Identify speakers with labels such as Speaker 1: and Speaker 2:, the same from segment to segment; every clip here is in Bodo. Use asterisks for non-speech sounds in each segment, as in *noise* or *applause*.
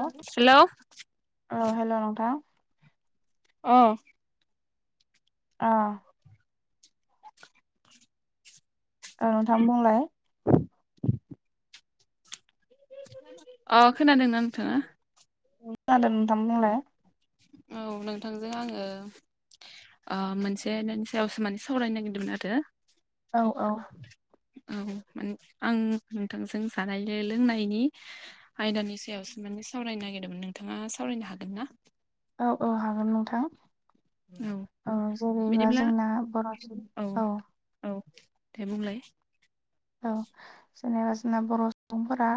Speaker 1: औ
Speaker 2: हेलौ
Speaker 1: औ हेल' नोंथां
Speaker 2: अ
Speaker 1: आ औ नोंथां बुंलाय
Speaker 2: अ खोनादोंना नोंथाङा
Speaker 1: उम खोनादों नोंथां बुंलाय
Speaker 2: औ नोंथांजों आङो ओ मोनसे ननि सायावसो माने सावरायनो नागिरदोंमोन आरो
Speaker 1: औ औ
Speaker 2: औ आं नोंथांजों जानाय लोंनायनि आयदानि सायावसो माने सावरायनो नागेरदों नोंथाङा सावरायनो हागोन ना
Speaker 1: औ औ हागोन नोंथां। औ जेनेबा
Speaker 2: बिदिब्ला
Speaker 1: जोंना बर'नि औ।
Speaker 2: देबुंलाय।
Speaker 1: औ जेनबा जोंना बर' सुबुंफोरा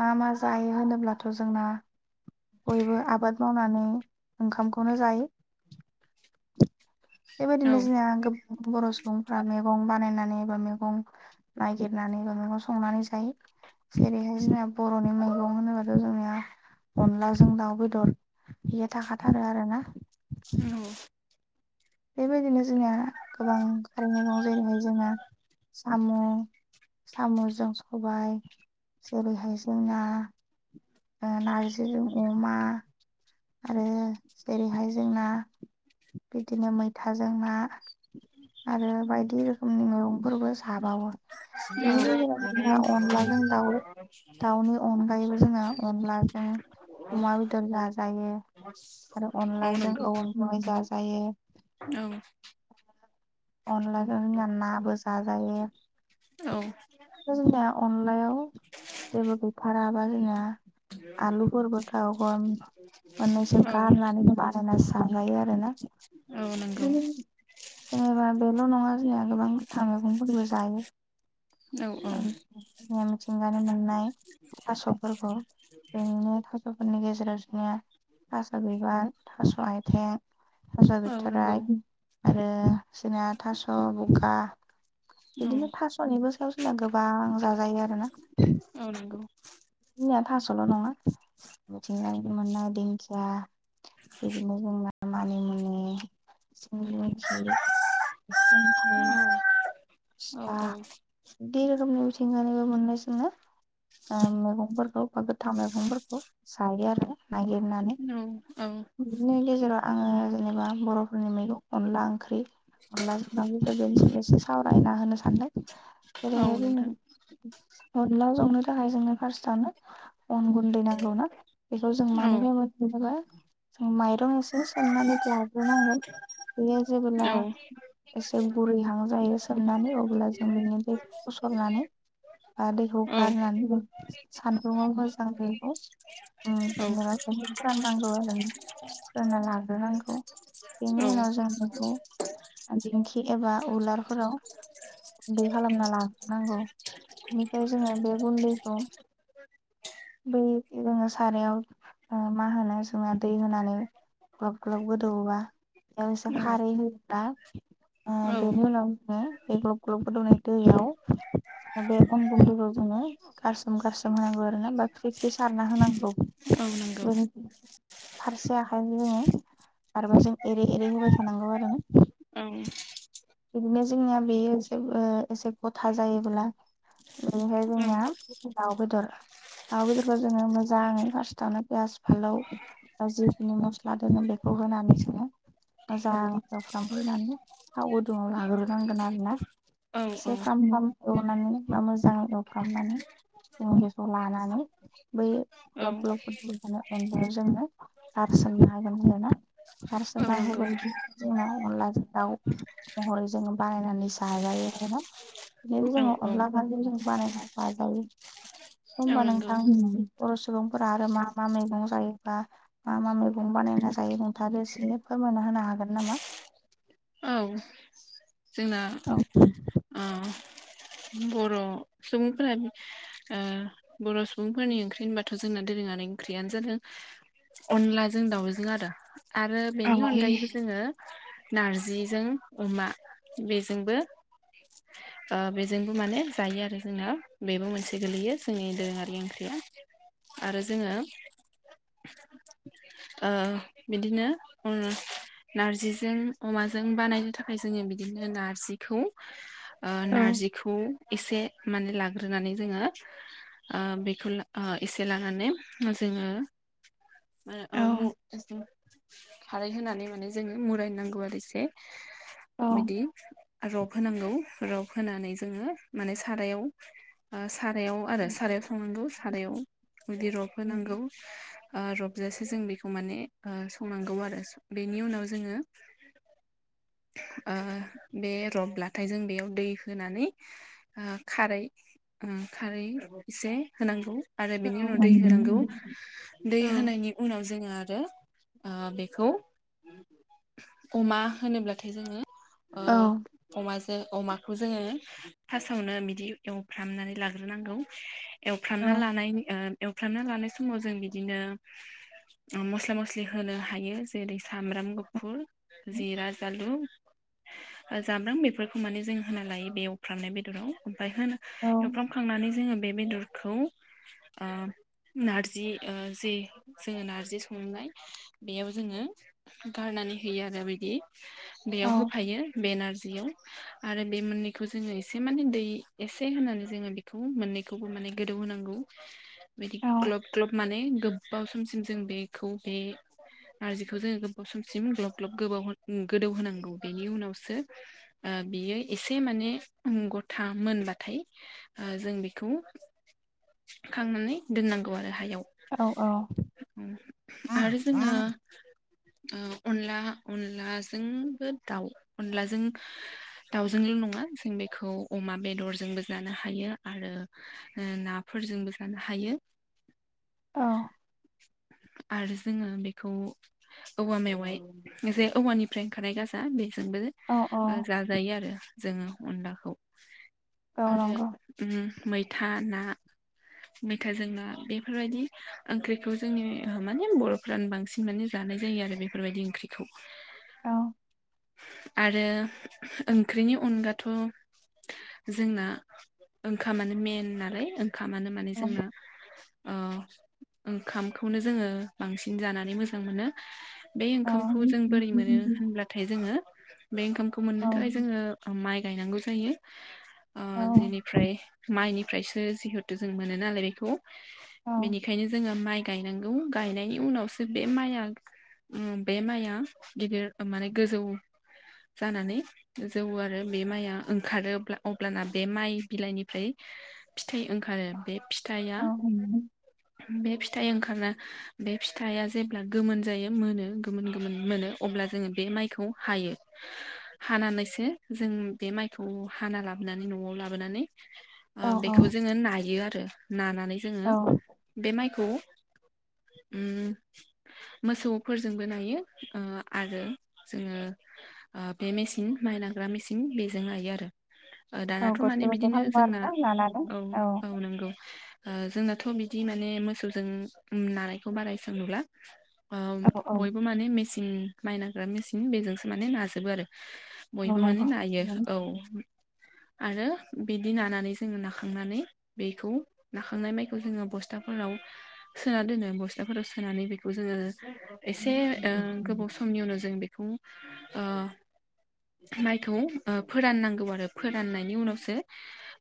Speaker 1: मा मा जायो होनोब्लाथ' जोंना बयबो आबाद मावनानै ओंखामखौनो जायो।
Speaker 2: औ
Speaker 1: बेबादिनो जोनिआ गोब बर' सुबुं सुबुंफ्रा मैगं बानायनानै बा मैगं नागिरदनानै बा मैगं संनानै जायो। जेरैहाय जोंना बर'नि मैगं होनोबाथ' जोंनिया अनलाजों दाउ बेदर। बियो थाखाथारो आरो ना।
Speaker 2: औ
Speaker 1: बेबायदिनो जोंनिया गोबां खारै मैगं जेरैहाय जोंना साम' साम'जों सबाय जेरैहाय जोंना। ओ नारजिजों अमा आरो जेरैहाय जोंना बिदिनो मैथा जों ना आरो बायदि रोखोमनि मैगंफोरबो जाबावो।
Speaker 2: औ
Speaker 1: बेनि गेजेराव जोंहा अनलाजों दाउ दाउनि अनगायैबो जोंहा अनला ओमफाय अमा बेदर जाजायो। आरो
Speaker 2: औ
Speaker 1: अनलाजों
Speaker 2: नंगौ
Speaker 1: औवा मेवाय जाजायो।
Speaker 2: औ
Speaker 1: अनलाजों जोंनिया नाबो जाजायो।
Speaker 2: औ
Speaker 1: ओ जोंना अनलायाव जेबो गैथाराबा जोंना आलुफोरबो गाव गामि मोननैसो
Speaker 2: औ
Speaker 1: गारनानै बाजाना सारजायो आरो ना।
Speaker 2: औ नंगौ
Speaker 1: बिदिनो जेनेबा बेल' नङा जोंनिया गोबां गोथां मैगंफोरबो जायो।
Speaker 2: औ औ
Speaker 1: *unintelligible* ओंगार मोननाय थास'फोरखौ बेनिनो थास'फोरनि गेजेराव निया थास' बिबार थास'आयथें। थास'
Speaker 2: औ नंगौ
Speaker 1: बिथराइ आरो जोंना थास'बगा
Speaker 2: औ
Speaker 1: बिदिनो थास'निबो सायाव जोंना गोबां जाजोब जायो आरो ना।
Speaker 2: औ नंगौ
Speaker 1: थास'ल' नङा मिथिंगानि मोननाय दिंखिया बिदिनो जोंना मानि मुनि सिंग्रि मैखि
Speaker 2: औ
Speaker 1: खुंखा
Speaker 2: औ
Speaker 1: *unintelligible* मोननाय जोंनो ओ मैगंफोरखौ बा गोथां मैगंफोरखौ जायो आरो। नागिरनानै
Speaker 2: औ औ
Speaker 1: बिनि गेजेराव आङो जेनेबा बर'फोरनि मैगं अनला ओंख्रि अनलाजों दावजों सावरायना होनो सानदों
Speaker 2: औ
Speaker 1: जेरैहाय जोंनि
Speaker 2: नोंथां
Speaker 1: अनला संनो थाखाय जोङो फार्स्टनो अन गुन्दै नांगौ ना बेखौ जों
Speaker 2: औ
Speaker 1: मानिफ्राय मोनो मायरं एसे सोमनानै दोन बेयो जेबोब्ला
Speaker 2: औ
Speaker 1: एसे बुरैहां जायो नानै अब्ला जों बिनि दै फसरनानै बा दैखौ
Speaker 2: औ
Speaker 1: गारनानै सानदुंआव मोजां होनांगौ उम जेनेबा खनसे फोराननांगौ आरो लाग्रोनांगौ
Speaker 2: औ
Speaker 1: बेनि उनाव जों बेखौ दिंखि एबा उलारफोराव गुन्दै खालामना लाग्रोनांगौ। बिनिफ्राय जोङो बे गुन्दैखौ बै जोङो सारायाव मा होनो जोङो दै होनानै ग्लब ग्लब गोदौबा बेयाव एसे
Speaker 2: औ
Speaker 1: खारै होयोब्ला ओ
Speaker 2: औ
Speaker 1: बेनि उनाव जों बे ग्लब ग्लब गोदौनाय दैआव बे अन गुदैखौ जोङो गारसोम गारसोम होनांगौ आरोना बा फ्रि फ्रि सारना होनांगौ
Speaker 2: औ नंगौ
Speaker 1: बेनि फारसे आखाइजों जोङो आरोबा जों एरै एरै होबाय थानांगौ आरोना
Speaker 2: औ
Speaker 1: बिदिनो जोंनिया बेयो एसे गथा जायोब्ला ओहाय
Speaker 2: औ
Speaker 1: जोंनिया दाउ बेदर दाउ बेदरखौ जोङो मोजाङै फार्स्टआवनो पियास फालौ जिखिनि मस्ला दोनङो बेखौ होनानै जोङो मोजां जावफ्रामहानै थाव गुदुाव लाग्रोनांगोन आरो
Speaker 2: औ नंगौ
Speaker 1: एसे फाम फा एवनानै बा मोजांं एवफ्रामनानै जों *unintelligible* लानानै बै
Speaker 2: औ
Speaker 1: ग्लब ग्लब *inaudible* गारसोमना होबोलानो जोंना अनलाजों दाउ महरै जोङो बानायनानै जाजायो आरोना बिदिनो जोङो अनला *inaudible* जों बानायनानै जाजायो।
Speaker 2: औ
Speaker 1: होमबा
Speaker 2: नंगौ
Speaker 1: नोंथां बर' सुबुंफोरा आरो मा मा मैगं जायो बा मा मा मैगं बानायना जायो नोंथांआबो एसे फोरमायना होनो हागोन नामा?
Speaker 2: औ जोंना
Speaker 1: औ
Speaker 2: ओ बर' सुबुंफोरा ओ बर' सुबुंफोरनि ओंख्रि होनबाथ' जोंना दोरोङारि ओंख्रियानो जादों अनलाजों दाउजों आरो आरो
Speaker 1: औ
Speaker 2: बेनि अनगायैबो जोङो नारजिजों अमा बेजोंबो ओ बेजोंबो माने जायो आरो। जोंना बेबो मोनसे गोलैयो जोंनि दोरोङारि ओंख्रिया आरो जोङो ओ बिदिनो ओ नारजिजों अमाजों बानायनो थाखाय जोङो बिदिनो नारजिखौ ओ
Speaker 1: औ
Speaker 2: नारजिखौ एसे माने लाग्रोनानै जोङो ओ बेखौ ओ एसे लानानै जोङो *inaudible* *inaudible* खारै होनानै माने जोङो मुराय नांगौ आरो एसे।
Speaker 1: औ
Speaker 2: बिदि रबहोनांगौ रबहोनानै जोङो माने सारायाव ओ सारायाव आरो सारायाव संनांगौ सारायाव बिदि रबहोनांगौ। ओ रबजासे जों बेखौ माने ओ संनांगौ आरो बेनि उनाव जोङो ओ बे रबलाथाय जों बेयाव दै होनानै ओ खारै ओ खारै एसे होनांगौ। आरो
Speaker 1: औ
Speaker 2: बेनि उनाव दै होनांगौ दै होनायनि उनाव जोङो आरो ओ बेखौ अमा होनोब्लाथाय जोङो ओ अमाजों अमाखौ जोङो फास्टआवनो बिदि एवफ्रामनानै लाग्रोनांगौ एवफ्रामना लानायनि ओ एवफ्रामना लानाय समाव जों बिदिनो ओ मस्ला मस्लि होनो हायो जेरै सामब्राम गुफुर जिरा जालुक ओ जाब्रां बेफोरखौ माने जों होना लायो बेयाव एवफ्रामनाय बेदराव ओमफ्राय होन एवफ्रामखांनानै जोङो बे बेदरखौ ओ नारजि ओ जे जोङो नारजि संनाय बेयाव जोङो गारना नानै होयो आरो बिदि बेयाव होफायो बे नारजिआव आरो बे मोननैखौ जोङो एसे माने दै एसे होनानै जोङो बेखौ मोननैखौबो माने गोदौ होनांगौ बिदि ग्लब ग्लब माने गोबाव समसिम जों बेखौ बे नारजिखौ जोङो गोबाव समसिम ग्लब ग्लब गोबाव उम गोदौ होनांगौ बेनि उनावसो ओ ओ बियो एसे माने उम गथा मोनबाथाय ओ जों बेखौ खांनानै दोननांगौ आरो हायाव।
Speaker 1: औ
Speaker 2: उ आरो जोङो ओ अनला अनलाजोंबो दाउ अनलाजों दाउजोंल' नङा जों बे खौ अमा बेदरजोंबो जानो हायो आरो ओ नाफोरजोंबो जानो हायो। आरो जोङो बेखौ औवा मेवाय जे औवानिफ्राय ओंखारनाय गाजा बे जोंबो
Speaker 1: औ औ
Speaker 2: ओ जाजायो आरो जोङो अनलाखौ।
Speaker 1: औ
Speaker 2: आरो
Speaker 1: नंगौ
Speaker 2: उम मैथा ना। मैथाजों ना बेफोरबायदि ओंख्रिखौ जोंनि माने बर'फ्रानो बांसिन माने जा नाय जायो आरो बेफोरबायदि ओंख्रिखौ।
Speaker 1: औ
Speaker 2: आरो ओंख्रिनि अनगाथ' जोंना ओंखामानो मेइन नालाय ओंखामानो माने
Speaker 1: औ
Speaker 2: जोंनो ओ ओंखामखौनो जोङो बांसिन जानानै मोजां मोनो। बे
Speaker 1: औ
Speaker 2: ओंखामखौ जों बोरै मोनो होनब्लाथाय जोङो बे ओंखामखौ मोननो थाखाय जोङो माइ गायनांगौ जा यो ओ
Speaker 1: औ
Speaker 2: जिनिफ्राय माइनिफ्रायसो जिहेथु जों मोनो नालाय बेखौ। बेनिखायनो जोङो माइ गायनांगौ गायनायनि उनावसो बे माइआ बे माइया गिदिर माने गोजौ जानानै जौओ आरो बे माइआ। ओंखारोब्ला अब्लाना बे माइ बिलाइनिफ्राय फिथाइ ओंखारो बे फि थाया बे फिथ थाइ ओंखारना बे फिथाइआ जेब्ला गोमोन जायो मोनो गोमोन गोमोन मोनो अब्ला जोङो बे माइखौ हायो हानानैसो जों बे माइ खौ हाना लाबोनानै न'आव लाबोनानै ओ बेखौ जोङो नायो आरो नाना नै जोङो बे माइखौ उम मोसौफोरजोंबो नायो ओ आरो जोङो बे मेसिन माइ नाग्रा मेसिन बेजों नायो आरो। दानाथ'
Speaker 1: गरसे
Speaker 2: माने
Speaker 1: गरसे
Speaker 2: बिदिनो
Speaker 1: खालामो
Speaker 2: जोंना
Speaker 1: आरोना लानानै
Speaker 2: औ औ नोंगौ ओ जोंनाथ' बिदि माने मोसौजों नानायखौ बाराय एसां नुला। ओ
Speaker 1: औ औ
Speaker 2: बयबो माने मेसिन माइ नाग्रा मेसिन बेजोंसो माने नाजोबो आरो।
Speaker 1: औ
Speaker 2: बयबो माने
Speaker 1: औ
Speaker 2: नायो औ। आरो बिदि नानानै जोङो नाखांनानै बेखौ नाखांनाय माइखौ जोङो बस्था फोराव सोना दोनो बस्थाफोराव सोनानै बेखौ जोङो एसे ओ गोबाव समनि उनाव जों बे खौ ओ माइखौ ओ फोराननांगौ आरो फोराननायनि उनावसो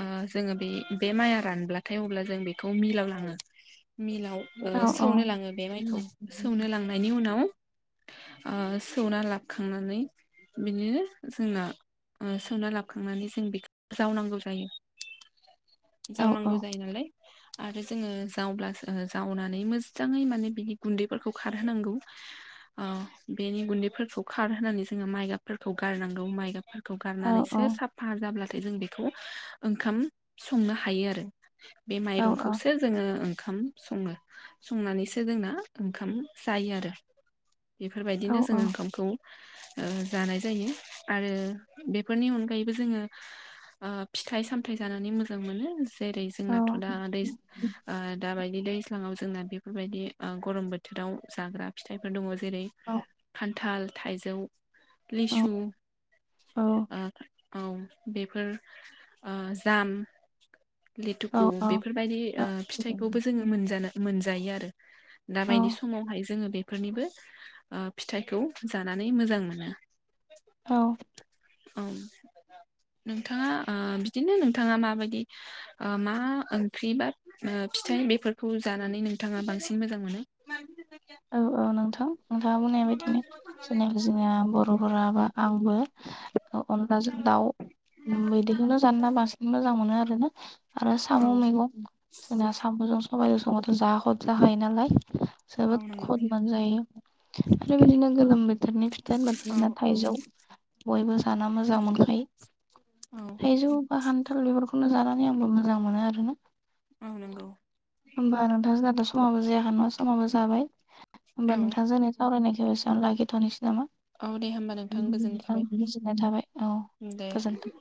Speaker 2: ओ जोङो बे बे माइआ रानब्लाथाय अब्ला जों बेखौ मिलाव लाङो मिलाव ओ
Speaker 1: औ
Speaker 2: सौनो लाङो बे माइखौ सौनो लांनायनि उनाव ओ सौना लाबखांनानै बिदिनो जोङो ओ सोवना लाबखांनानै जों बेखौ जावनांगौ जायो। ओ
Speaker 1: औ
Speaker 2: जावनांगौ जायो नालाय आरो जोङो जावब्लासो जावनानै मोजाङै माने बिनि गुन्दैफोरखौ खारहोनांगौ। ओ बेनि गुन्दैफोरखौ खारहोनानै जोङो माइगाफोरखौ गारनांगौ माइगाब खौ
Speaker 1: औ
Speaker 2: गारनानैसो साफा जाब्ला थाय जों बेखौ ओंखाम संनो हायो आरो बे
Speaker 1: औ
Speaker 2: माइरंखौसो जोङो ओं खाम सङो संनानैसो जोंना ओंखाम जायो आरो।
Speaker 1: औ
Speaker 2: बेफोरबायदिनो जोंङो ओंखामखौ ओ जानाय जायो आरो बेफोरनि अनगायैबो जोङो ओ फिथाइ सामथाइ जानानै मोजां मोनो। जेरै जोंनाथ' दा दैज ओ दाबायदि नदि दैज्लांआव जोंना बेफोरबायदि ओ गरम बोथोराव जाग्रा फिथाइफोर दङ जे जेरै खान्थाल, थाइजौ, लिसु ओ औ बेफोर ओ जाम लेथुकु बेफोरबायदि ओ फिथाइखौबो जोङो मोनजानो मोन जायो‌ आरो‌ दाबायदि समावहाय जोङो बेफोरनिबो ओ फिथायखौ जानानै मोज मोजां मोनो।
Speaker 1: औ
Speaker 2: औ नोंथाङा ओ बिदिनो नोंथाङा माबायदि मा ओंख्रि बा ओ फिथाइ बेफोरखौ जानानै नोंथाङा बांसिन मोजां मोनो?
Speaker 1: औ औ नोंथां नोंथाङा बुंनाय बायदिनो जेनिबा जोंनिया बर'फोरा बा आंबो अ अनलाजों दाउ। मोदैखौनो जाना बांसिन मोजां मोनो आरोना आरो
Speaker 2: औ
Speaker 1: साम' मैगं जोंना साम'जों सबाइजों संबाथ' जा खद जाखायो नालाय
Speaker 2: औ
Speaker 1: जोबोद
Speaker 2: नंगौ
Speaker 1: खद मोनजायो। आरो बिदिनो गोलोमबो फिथोरनि फिथाइ होनबाथ
Speaker 2: औ
Speaker 1: बिदिनो
Speaker 2: औ
Speaker 1: थाइजौ बयबो जाना मोजां मोनखायो।
Speaker 2: औ
Speaker 1: थायजौ बा खान्थाल बेफोरखौ नो‌ जानानै आंबो मोजां मोनो आरोना
Speaker 2: औ नंगौ
Speaker 1: होमबा नोंथां जाथसिगोन। समाबबो जायाखै नङा समावबो जाबाय होमबा
Speaker 2: औ
Speaker 1: नोंथां जोंनि सावरायनायखौ बेसेयावनो लागिथ'नोसै। नामा
Speaker 2: औ दे होमबा नोंथां गोजोननाय
Speaker 1: औ गोजोननाय थाबाय औ
Speaker 2: थाबाय दे
Speaker 1: गोजोनथों।